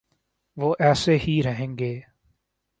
وہ ایسے ہی رہیں گے۔